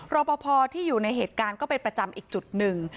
รอปภที่อยู่ในเหตุการณ์ก็เป็นประจำอีกจุดหนึ่ง